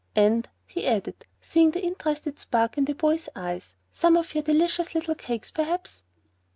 And," he added, seeing the interested spark in the boy's eyes, "some of your delicious little cakes, perhaps?"